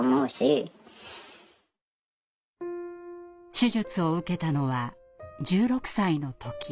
手術を受けたのは１６歳の時。